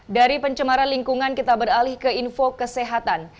dari pencemaran lingkungan kita beralih ke info kesehatan